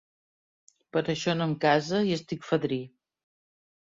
Per això no em case i estic fadrí.